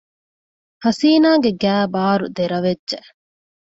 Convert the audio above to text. ހަސީނާގެ ގައިބާރު ދެރަވެއްޖެ